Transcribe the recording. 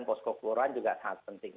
poskogluoran juga sangat penting